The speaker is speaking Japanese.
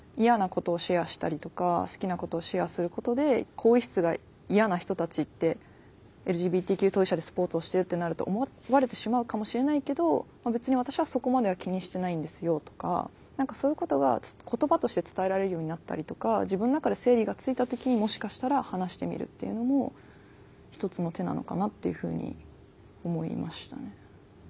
更衣室が嫌な人たちってＬＧＢＴＱ当事者でスポーツをしてるってなると思われてしまうかもしれないけど別に私はそこまでは気にしてないんですよとか何かそういうことが言葉として伝えられるようになったりとか自分の中で整理がついた時にもしかしたら話してみるっていうのも一つの手なのかなっていうふうに思いましたね。